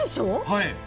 はい。